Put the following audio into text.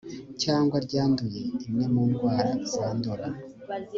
cyangwa ryanduye imwe mu ndwara zandura